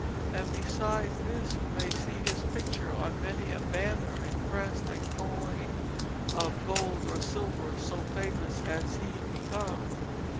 And besides this you may see his picture on many a banner and crest and coin of gold or silver, so famous has he become.